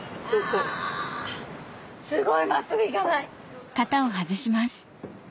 すごい真っすぐ行かない。